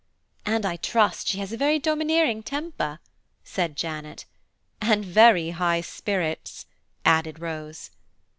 "And I trust she has a domineering temper," said Janet. "And very high spirits," added Rose.